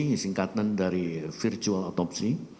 yang singkatan dari virtual autopsy